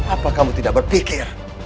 apa kamu tidak berpikir